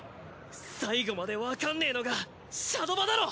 最後までわかんねえのがシャドバだろ！